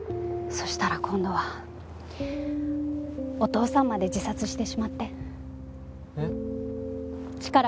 そしたら今度はお父さんまで自殺してしまって。